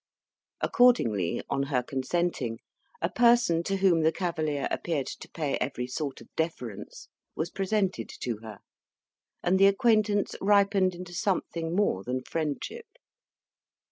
Accordingly, on her consenting, a person to whom the cavalier appeared to pay every sort of deference was presented to her, and the acquaintance ripened into something more than friendship.